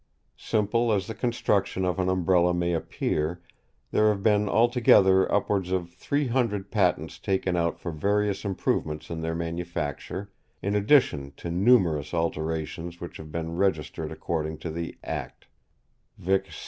Simple as the construction of an Umbrella may appear, there have been altogether upwards of three hundred patents taken out for various improvements in their manufacture, in addition to numerous alterations which have been registered according to the Act, Vic.